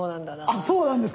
あっそうなんですか。